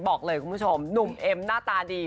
บอกเลยคุณผู้ชมหนุ่มเอ็มหน้าตาดี